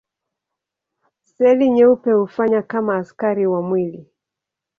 Seli nyeupe hufanya kama askari wa mwili.